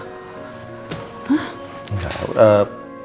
jangan jangan kita kena teror juga